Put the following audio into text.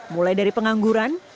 mulai dari pengangguran